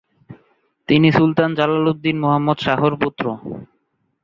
তিনি সুলতান জালালউদ্দিন মুহাম্মদ শাহর পুত্র।